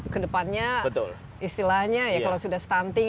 kedepannya istilahnya ya kalau sudah stunting